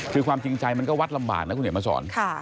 คือความจริงใจมันก็วัดลำบากนะคุณเห็นมาสอน